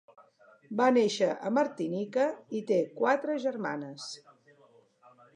Va néixer a Martinica i té quatre germanes.